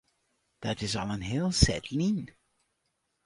Dat is al in heel set lyn.